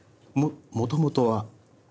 もともとは。